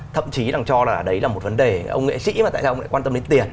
thậm chí rằng cho là đấy là một vấn đề ông nghệ sĩ mà tại sao ông lại quan tâm đến tiền